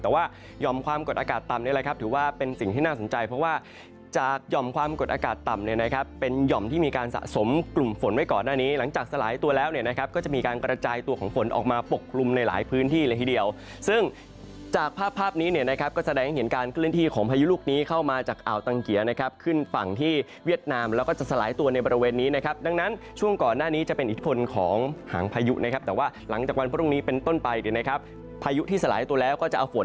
แต่ว่ายอมความกดอากาศต่ำนี่แหละครับถือว่าเป็นสิ่งที่น่าสนใจเพราะว่าจากยอมความกดอากาศต่ำเนี่ยนะครับเป็นยอมที่มีการสะสมกลุ่มฝนไว้ก่อนหน้านี้หลังจากสลายตัวแล้วเนี่ยนะครับก็จะมีการกระจายตัวของฝนออกมาปกคลุมในหลายพื้นที่เลยทีเดียวซึ่งจากภาพนี้เนี่ยนะครับก็แสดงเห็นการเคลื่อน